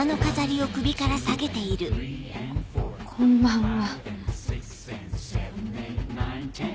こんばんは。